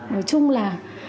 nói chung là